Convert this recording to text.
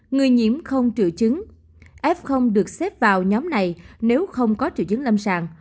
người nhiễm không triệu chứng f được xếp vào nhóm này nếu không có triệu chứng lâm sàng